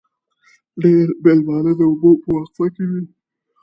ډېری مېلمانه د اوبو په وقفه کې وي.